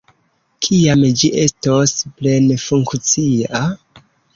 Kiam ĝi estos plenfunkcia?